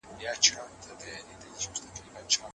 طبيعي منابع چيرته موقعيت لري؟